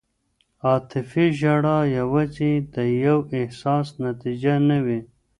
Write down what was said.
عاطفي ژړا یوازې د یو احساس نتیجه نه وي.